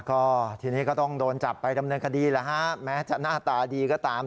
ก็ทีนี้ก็ต้องโดนจับไปดำเนินคดีแล้วฮะแม้จะหน้าตาดีก็ตาม